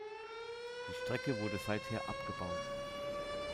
Die Strecke wurde seither abgebaut.